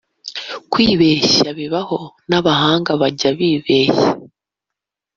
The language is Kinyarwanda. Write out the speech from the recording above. Kwibeshya bibaho n’abahanga bajya bibeshya